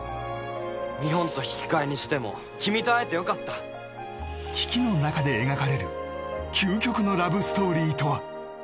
日本と引き換えにしても君と会えてよかった危機の中で描かれる究極のラブストーリーとは？